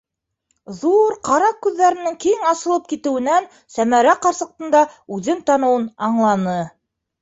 Ҙур ҡара күҙҙәренең киң асылып китеүенән Сәмәрә ҡарсыҡтың да үҙен таныуын аңланы.